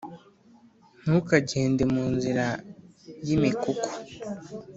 Ntukagende mu nzira y’imikuku,